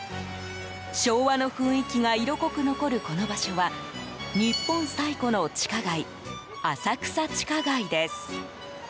昭和の雰囲気が色濃く残るこの場所は日本最古の地下街浅草地下街です。